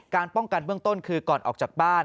ป้องกันเบื้องต้นคือก่อนออกจากบ้าน